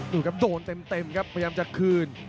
ดูครับโดนเต็มครับพยายามจะคืน